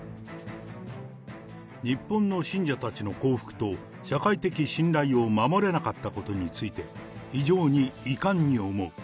日本の信者たちの幸福と社会的信頼を守れなかったことについて、非常に遺憾に思う。